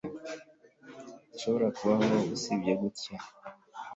ntidushobora kubaho, usibye gutya